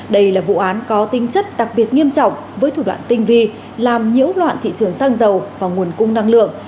đây là vụ án có tính chất đặc biệt nghiêm trọng với thủ đoạn tinh vi làm nhiễu loạn thị trường xăng dầu và nguồn cung năng lượng